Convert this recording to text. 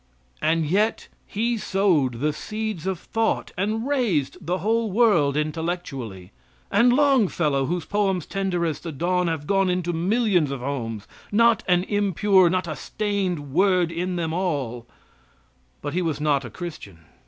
And yet he sowed the seeds of thought, and raised the whole world intellectually. And Longfellow, whose poems, tender as the dawn, have gone into millions of homes, not an impure, not a stained word in them all; but he was not a Christian.